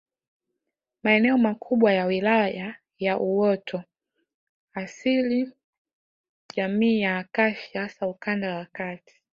Maeneo makubwa ya Wilaya ya uoto asili jamii ya Akashia hasa ukanda wa Kati